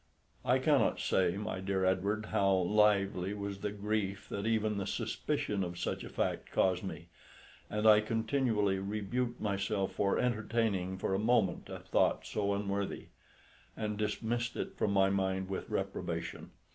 I cannot say, my dear Edward, how lively was the grief that even the suspicion of such a fact caused me, and I continually rebuked myself for entertaining for a moment a thought so unworthy, and dismissed it from my mind with reprobation.